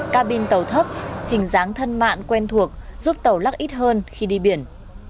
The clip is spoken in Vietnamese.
ca bin tàu thấp hình dáng thân mạn quen thuộc giúp tàu lắc ít hơn khi đi biển